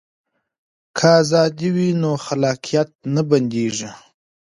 که ازادي وي نو خلاقیت نه بنديږي.